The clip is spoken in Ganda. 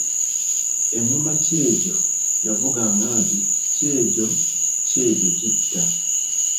"Engoma kyejo yavuganga nti “Kyejo, kyejo kitta.”"